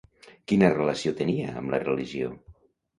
Quina relació tenia amb la religió?